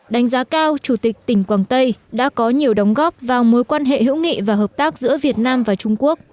đánh giá cao chủ tịch tỉnh quảng tây đã có nhiều đóng góp vào mối quan hệ hữu nghị và hợp tác giữa việt nam và trung quốc